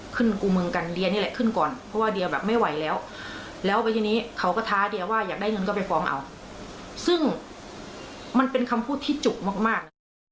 ซึ่งมันเป็นคำพูดที่จุกมาก